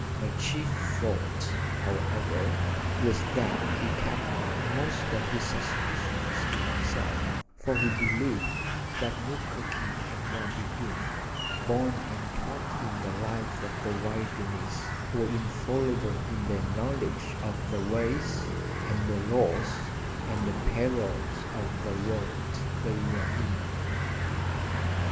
A chief fault, however, was that he kept most of his suspicions to himself, for he believed that Mukoki and Wabigoon, born and taught in the life of the wilderness, were infallible in their knowledge of the ways and the laws and the perils of the world they were in.